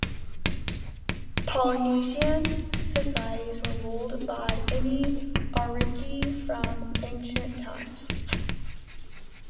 Polynesian societies were ruled by an "ariki" from ancient times.